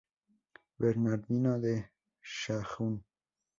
Bernardino de Sahagún.